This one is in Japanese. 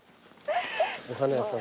お花屋さん。